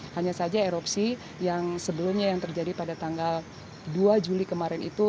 hanya saja erupsi yang sebelumnya yang terjadi pada tanggal dua juli kemarin itu